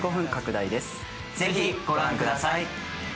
ぜひ、ご覧ください。